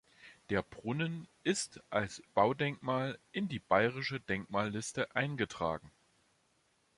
Der Brunnen ist als Baudenkmal in die Bayerische Denkmalliste eingetragen.